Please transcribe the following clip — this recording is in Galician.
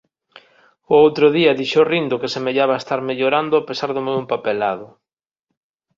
O outro día dixo rindo que semellaba estar mellorando a pesar do meu empapelado.